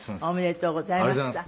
ありがとうございます。